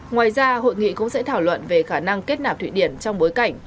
ngoài ra hội nghị cũng sẽ thảo luận về khả năng kết nạp thụy điển trong bối cảnh